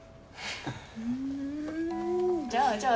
ふんじゃあじゃあ。